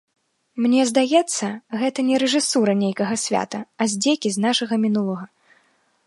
Мне здаецца, гэта не рэжысура нейкага свята, а здзекі з нашага мінулага.